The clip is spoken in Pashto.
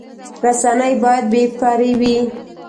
رسنۍ باید بې پرې وي